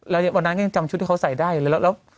แล้ววันนั้นยังจำชุดที่เขาใส่ได้อยู่เลย